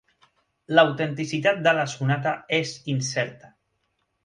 L'autenticitat de la sonata és incerta.